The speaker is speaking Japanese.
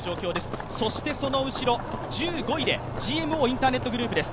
そしてその後ろ、１５位でＧＭＯインターネットグループです。